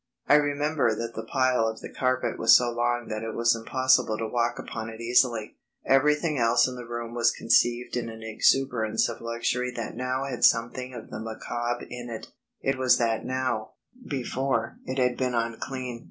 I remember that the pile of the carpet was so long that it was impossible to walk upon it easily. Everything else in the room was conceived in an exuberance of luxury that now had something of the macabre in it. It was that now before, it had been unclean.